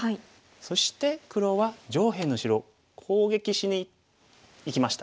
そして黒は上辺の白を攻撃しにいきました。